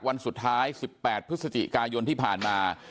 วันสุดท้าย๑๘พฤศจิกายนที่ผ่านมา